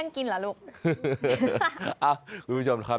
สิบขวบครับ